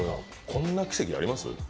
こんな奇跡あります？